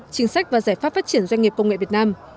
chính sách và giải pháp phát triển doanh nghiệp công nghệ việt nam